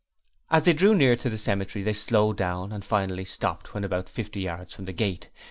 As they drew near to the cemetery they slowed down, and finally stopped when about fifty yards from the gate.